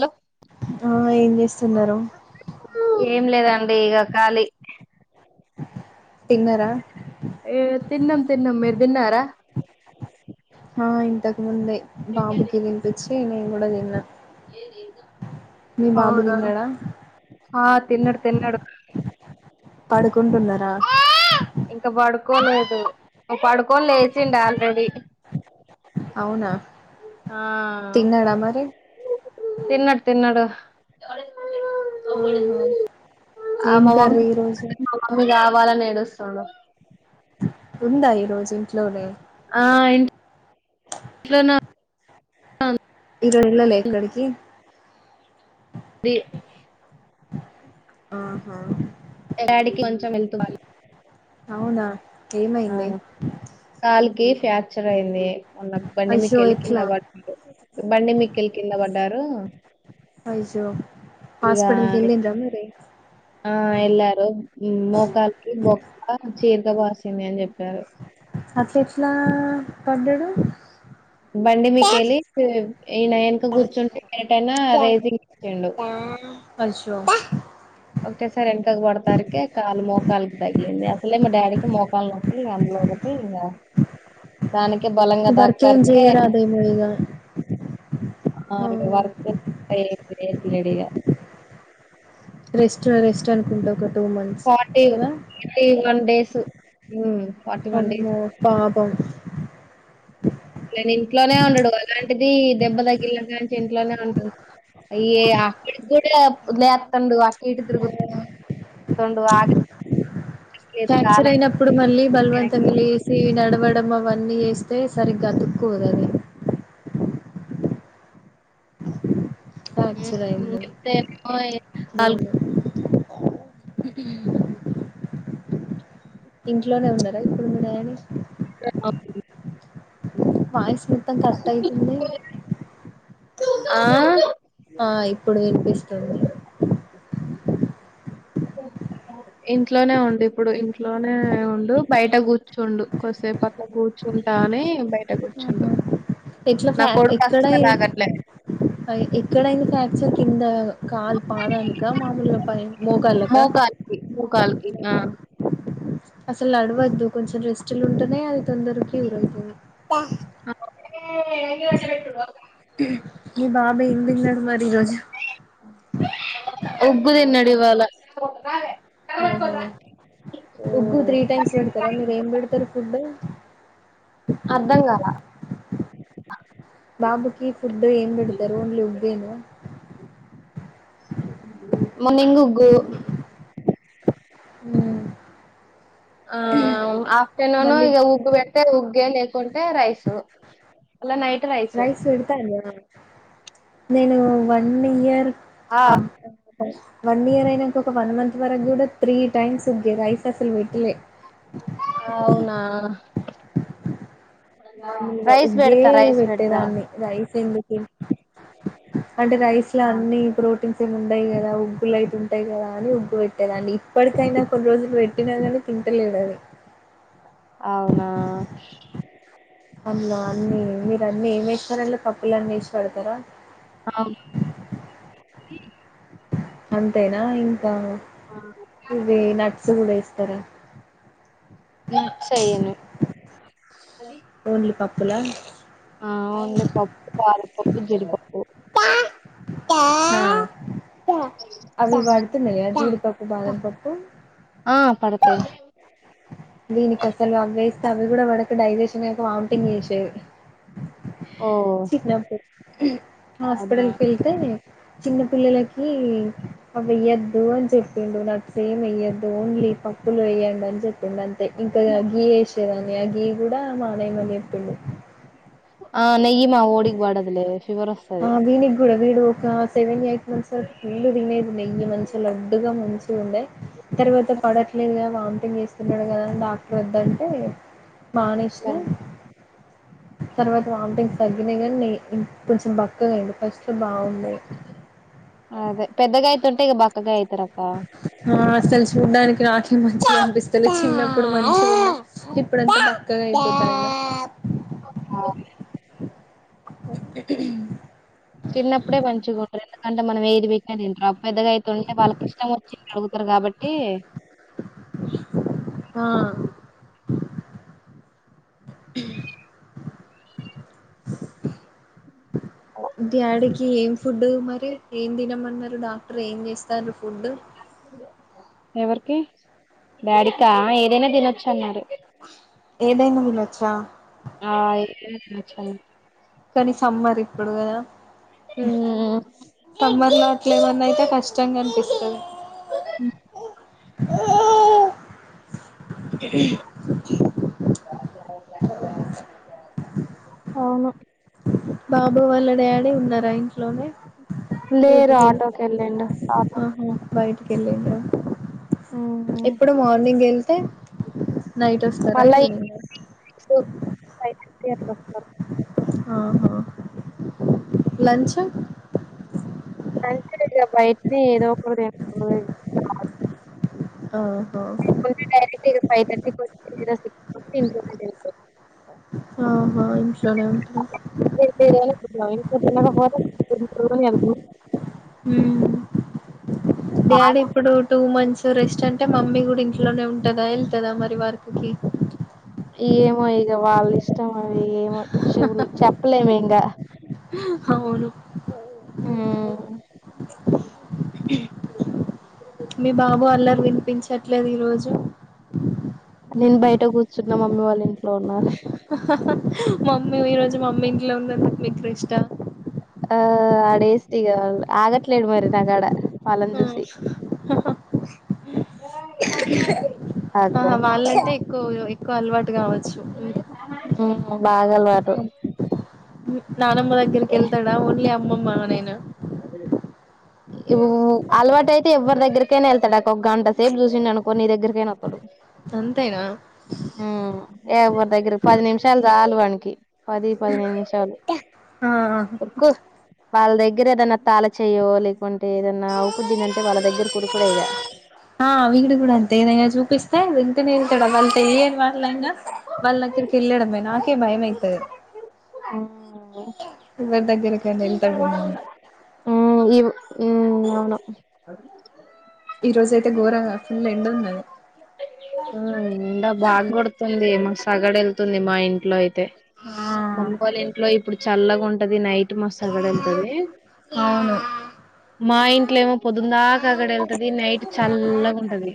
Hello ఆ ఏం చేస్తున్నారు ఏం లేదండి ఇగ ఖళీ తిన్నర ఏ తిన్నం తిన్నం మీరు తిన్నారా ఆ ఇంతకు ముందే బాబుకి తినిపిచ్చి నేను కూడా తిన్నా మీ బాబు అవునా తిన్నాడా ఆ తిన్నడు తిన్నడు పడుకుంటున్నరా ఇంక బడుకోలేదు, పడుకోని లేచిండు ఆల్రెడీ. అవునా ఆ తిన్నాడా మరి తిన్నడ్ తిన్నడు ఆహా ఆ ఏం మమమ్ కర్రీ ఈరోజు మా మమ్మీ గావాలని ఏడుస్ తుండు ఉందా ఈ రోజు ఇంట్లోనే ఆ ఇన్ [inaudible] ఇంట్లోనే ఇంక ఎళ్ళలే ఎక్కడికి ఉంది ఆహా ఇల్ డాడికి కొంచం హెల్త్ బాలె అవునా ఏమైందే కీ ఫ్యాక్చర్ అయిందీ, మొన్న బండి అయ్యో మీకెళ్ళి కింద ఎట్లా వడ్డ. బండి మీకెళ్ కింద వడ్డ. డరూ అయ్జో హాస్పిటల్కి ఎళ్లిండ్ర మరి ట మోకాల్కి బొక్క చేత వాసింది అని చెప్పారు అట్లెట్లా పడ్డడు బండి మీకెళ్ళి ఈయన ఎనక గూర్చుంటే ఎటన్ రేసింగ్ ఇచ్చిండు అయ్షో ఒకటేసారి ఎన్కక్ పడతారకి కాలు మోకాల్కి తగ్లింది, అసలే మా డాడీకి మోకాల నొప్పి అంలో. కీ ఇంక దానికి బలంగా వర్క్ ఏం దాక్తారుకే చేయరాదేమో ఇగ ఆ వర్క్ [unintelligible] ఏం [unintelligible] ఇగ రెస్ట్ రెస్ట్ అనుకుంటా ఒక టూ మంత్స్ కదా డేసు ఊ అమ్మో పాపం అట్లని ఇంట్లోనే ఉండడు, అలాంటిది దెబ్బ దగిల్న కాంచి ఇంట్లోనే ఉంటున్. అయ్యే అక్కడి గూడా లేత్తుండు అటు ఇటు తిరుగు తుండూ ఆగ్ ఫ్యాక్చర్ అయినప్పుడు మళ్ళీ ఆయనకి బలవంతంగా లేసి నడ వడం అవన్నీ ఏస్తే సరిగ్గా [unintelligible] ఫ్యాక్చర్ ఉమ్ అయింది చెప్తేనేమో నాలుగు [unintelligible] ఇంట్లోనే ఉన్నరా ఇప్పుడు మీ నాన్న [inaudible] వాయిస్ మొత్తం కట్ అయితుంది ఆ ఆ ఇప్పుడు వినిపిస్తుంది ఇంట్లోనే ఉండు, ఇప్పుడు ఇంట్లోనే ఉండు, బయట గూర్చుండు, కొద్దిసేపు అట్ల కూర్చున్. టాని బయట గూర్చుండు ఆహా ఎట్లా ఫ ఎక్కడైన్ద్ ఎక్కడైంది ఫ్రాక్చర్ కింద కాల్ పాదానికా మామూలుగా పై మోకాలుకా మోకాలికి మోకాలికి ఆ అసలు నడవద్దు కొంచెం రెస్టు లుంటెనే అది తొందర క్యూర్ అయితది మీ బాబు ఏం దిన్నడు మరి ఈరోజు ఉగ్గు దిన్నడు ఇవాల ఆహా ఉగ్గు త్రీ టైమ్స్ వెడతారా, మీరు ఏం పెడతరు ఫుడ్. అర్ధం గాలా బాబుకి ఫుడ్ ఏం బెడతరు ఒన్లీ ఉగ్గేనా మొన్నింగ్ ఉగ్గూ ఉం ఆ ఆఫ్టర్నూను ఈ ఉగ్గు పెడితే ఉగ్గే లేకుంటే రైస్ మళ్ళ నైట్ రైసు రైస్ పెడతారా నేను వన్ ఇయర్ ఆ అ వన్ ఇయర్ అయినాక ఒక వన్ మంత్ వరకు కూడా త్రీ టైమ్స్ ఉగ్గె రైస్ అసలు పెట్టలే అవునా మీద రైస్ ఉగ్గే పెడతా రైస్ పెడతా పెట్టేదాన్ని రైస్ ఎందుకి అంటే రైస్ లో అన్ని ప్రోటీన్స్ ఏమి ఉండయి కదా ఫుల్ అయితే ఉంటాయి కదా అని పెట్టేది అండి ఇప్పటికైనా కొన్ని రోజులు పెట్టినా కానీ తింటలేడు అది అవునా అందులో అన్ని మీరు అన్నీ ఏమి వేస్తారడి పప్పులు అన్నీ వేసి పెడతారా అవును అంతేనా ఇంకా ఇవి నట్స్ కూడా వేస్తర నట్స్ వెయ్యను ఓన్లీ పప్పులా ఓన్లీ పప్పు కారపప్పు జీడిపప్పు హా అవి పడుతున్నయా జీడిపప్పు, బాదంపప్పు. ఆ పడతాయి దీనికి అసలు అవి వేస్తే అవి కూడా పడక డైజెషన్ అయ్యాక వామిటింగ్ చేసది ఓ చిన్నప్పుడు అవునా హాస్పిటల్కి వెళ్తే చిన్న పిల్లలకి అవి ఏయ్యద్దు అని చెప్పిండు నట్స్ ఏం వెయ్యద్దు అని ఈ పప్పులు వేయ్యడి అని చెప్పిండు ఇంకా గీ వేసేదాని ఆ గియ కూడా మానేయమని చెప్పిండు ఆ నెయ్యి మా ఓడికి బాడద్లే ఆ వీడికి కూడా వీడు ఒక సెవెన్ ఎయిట్ మంత్స్ ఫుల్ తినేది నెయ్యి మంచి లడ్డుగా ముంచి ఉండే తర్వాత పడట్లేదు వామిటింగ్ చేస్తున్నాడు కదా డాక్టర్ వద్ద అంటే మానేసినం తర్వాత వామిటింగ్ తగ్గినయి కాగానీ కొంచెం బక్కగా అయిండు సో బాగుండే అదే పెద్దగా అయితుంటే ఇక బక్కగా అయితే ఆ అసలు చూడ్డానికి నాకే మంచిగా అనిపిస్తలే చిన్నప్పుడు మంచిగా ఉండే ఇప్పుడుంతా బక్కగా అయిపోతాండు ఆ చిన్నప్పుడే మంచిగుండ్రి ఎందుకంటే మనం ఏది పెట్నే తింటరు పెద్దగా అయితుంటే వాళ్ళకి ఇష్టం వచ్చింది అడుగుతారు కాబట్టి హ డాడీకి ఏం ఫుడ్ మరి ఏం తినమన్నారు డాక్టర్ ఏం చేస్తారు ఫుడ్ ఎవరికి వాడికా ఏదైనా తినొచ్చు అన్నారు ఏదైనా తినొచ్చా ఏదీ తినచ్చ కానీ సమ్మర్ ఇప్పుడు కదా హ్మ్ సమ్మర్ లో అట్ల ఏమన్నా అయితే కష్టంగా అనిపిస్తాది అవును బాబు వాళ్ళ డాడి ఉన్నారా ఇంట్లోనే లేరు డ్యూటీకి వెళ్ళి ఆటోకి వెళ్ళిండు ఆటోకి హ్మ్ ఇప్పుడు మార్నింగ్ వెళ్తే. నైట్ వస్తారా మళ్ళా ఈ ఈవినింగ్ ఆ. ఏంటి వస్తున్నారు. ఆహా లంచ్. అందుకే కదా బయటనే ఏదో ఒకటి తెచ్చుకుంటాడు. ఆ. ఏముంది డైరెక్ట్ ఇగ ఫైవ్ తర్టీ పోతే లేదా సిక్స్ తర్టీ ఇంట్లోనే అయిపోయింది ఇగా ఇప్పుడు. ఆహా. ఇంట్లోనే ఉంటరా క పో [inaudible] ఉ డాడీ బాగా ఇప్పుడు టూ మంత్స్ రెస్ట్ అ. అంటే మమ్మీ కూడా ఇంట్లోనే ఉంటదా ఎల్తదా మరి వర్క్ కి. మరి ఏమో చూడు చెప్పలేం ఇంగ. అవును. ఉమ్. మీ బాబు అల్లరి వినిపించట్లేదు ఈరోజు. నేను బయట కూర్చున్న మమ్మీ వాళ్ళ ఇంట్లోనూ. హహహ మమ్మీ ఈరోజు మమ్మీ ఇంట్లో ఉన్నందుకు ఎక్కువ ఇష్ట. ఆ ఆడేస్తే ఆగట్లేడు మరి దగడ. హ హహహ. ఆ అదే వాళ్ళ అంటే ఎక్కువొ. ఉహు బాగా అలవాటు. నానమ్మ దగ్గరికి వెళ్తాడా ఓన్లీ అమ్మమ్మ నేన. ఉ అలవాటు అయితే ఎవరి దగ్గరకైనా వెళ్తాడు ఓకో గంటసేపు చూసిండు అనుకో ఎవరి దగ్గరకైనా వస్తాడు. అంతేనా ఉమ్ ఏవరి దగ్గరికి ఒక పది నిమిషాలు చాలు వానికి. పది పదిహేను నిమిషాలు. ఆ వాళ్ళ దగ్గర ఏదన్నా తాళచేయో లేకుంటే ఏదన్నా ఉప్పు గిన్నె ఉంటే వాళ్ళ దగ్గర ఉరుకు ఇగా. ఆ విడు కూడా అంతే ఏదైనా చూపిస్తే. వెళ్తాడా వాళ్ళు తెలియని వాళ్ళైనా వాళ్ళ దగ్గరికి వెళ్ళడమే నాకే భయం అయితది. ఆమ్మో. ఎవరి దగ్గరికైనా వెళ్తాడేమో అని ఉ ఇ ఉ అవును. ఈ రోజుజయితే ఘోరంగా ఫుల్ ఎండున్నది. ఉమ్ ఎండా బాగా కొడుతుంది మస్తు ఆగడు వెళ్తుంది‌ మా ఇంట్లో అయితే. తే ఆ మమ్మ వాళ్ళ ఇంట్లో ఇప్పుడు చల్లగా ఉంటది నైట్. మస్తు అగడు ఎల్తది. అవును మా ఇంట్లో ఏమో పొద్దుందాకా ఆగడు ఎల్తది నైట్ చల్లగా ఉంటది.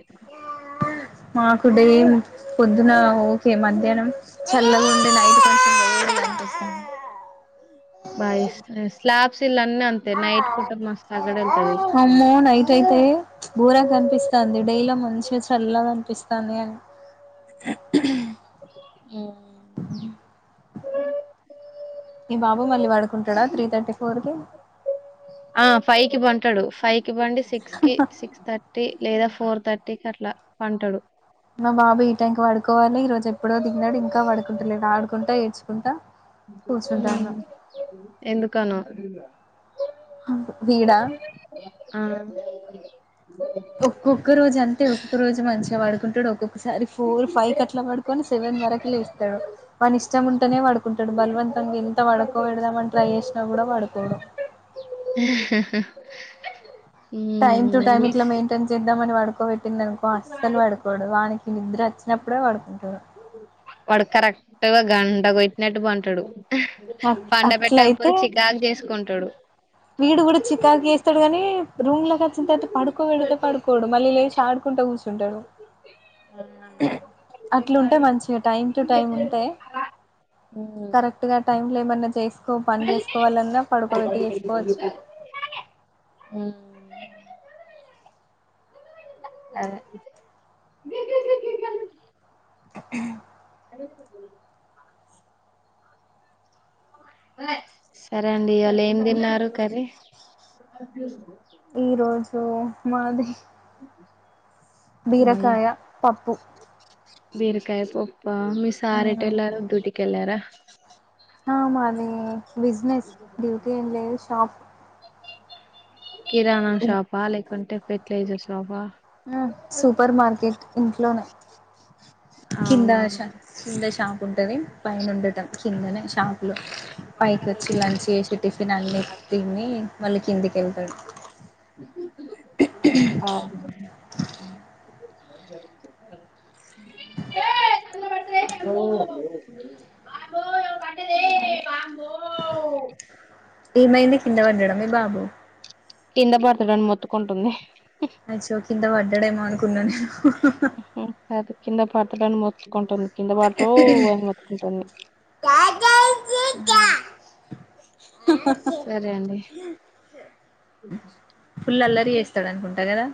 మాకు డే పొద్దున ఓకే మధ్యాహ్నం చల్లగా ఉండే నైట్ కొంచం వె. బాయ్స్ స్లాబ్స్ ఇలా అన్ని అంతే నైట్ కుట ఆగడు ఎల్తది. అమ్మో నైట్ అయితే బూరా కనిపిస్తంది డై లో మంచిగా చల్లనిపిస్తుంది. స్తుంది ఉమ్. మీ బాబు మళ్ళీ పడుకుంటాడా త్రీతటిఫోర్ కి. ఆ ఫైవ్ కి పంటాడు ఫైవ్ కి పండి సిక్స్ కి సిక్స్ తర్టీ. తర్టీ లేదా ఫోర్ తర్టీకి అట్లా పంటాడు. మా బాబు ఈ టైమ్ కి పడుకోవాలి ఈ రోజు ఎప్పుడో తిన్నడు ఇంకా పడుకుంటలేదు ఆడుకుంటా ఏడ్చుకుంటా. కూర్చుంటాను ఎందుకనో. వీడా. ఆ. ఒక్కొక్క రోజు అంటే ఒక్క రోజు మంచిగా పడుకుంటాడు ఒక్కొక్కసారి ఫోర్ ఫైవ్ కి అట్లా పడుకొని సెవెన్ వరకు లేస్తాడు వాని ఇష్టం ఉంటేనే పడుకుంటాడు బలవంతంగా ఎంత పడుకో పెడదాం అని ట్రై చే సినా కూడా పడుకోడు టైం టు ఉమ్ టైం ఇట్లా మిస్ మెయింటైన్ చేద్దామని వాడు పడుకో పెట్టిందనుకో అస్సలు పడుకోడు వానికి నిద్ర వచ్చినప్పుడే పడుకుంటాడు వాడు కరెక్ట్గా గంట గోట్టినట్టు పంటాడు పండ అట్లయితే పెట్టకపోతే చికాకు చేసుకుంటాడు వీడు కూడా చికాకే స్తాడు గాని రూమ్ లో వచ్చిన తరువాత పడుకోబెడితే పడుకోడు మళ్ళీ లేచి ఆడుకుంటూ కూర్చుంటాడు అట్లుంటే మంచిగా టైం టు టైం ఉంటే ఉమ్ కరెక్ట్ గా టైం లేమన్నా చేసుకో పని చేసుకోవాలన్నా పడుకోబెట్టి చేసు ఉమ్ అదే సరే అండి ఇయలా ఏం తిన్నారు కర్రీ ఈ రోజు మాది భయ్యా బీరకాయ పప్పు బీరకాయ పప్పా మీ సార్ ఏటేళ్లారు డ్యూటీకి వెళ్ళారా ఆ మాది బిజినెస్ డ్యూటీ ఏం లేదు షాప్ కిరాణా షాప్ లేకుంటే fertiliser shop um super market ఇంట్లోనే కింద అవునా షా కింద షాప్ ఉంటది పైన ఉండటం కిందనే షాప్ లో పైకి వచ్చి లంచ్ చేసి టిఫిన్ అన్ని తిని మళ్ళీ కిందికి వెళ్ళతాడు అవును ఏమైంది కింద పడ్డాడా మీ బాబు కింద పడతాడని మొత్తుకుంటుంది అచ్చో కింద పడ్డాడేమో అనుకున్నా నేను అదే కింద పడతాడని మోత్తుకుంటుంది కింద పడితే అని ముత్తుకుంటుంది సరే అండి టీ చేస్తాడు అనుకుంటా కదా